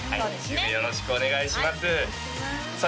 よろしくお願いしますさあ